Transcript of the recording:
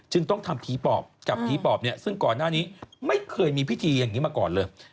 จึงต้องทำผีปอบกับผีปอบก่อนหน้านี้ไม่เคยมีพิธีอย่างนี้มาก่อนเลย